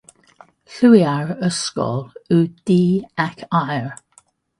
Liwiau'r ysgol yw du ac aur.